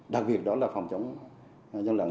đặc biệt đó là phòng chống gian lận